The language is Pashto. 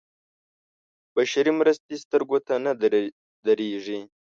بشري مرستې سترګو ته نه درېږي.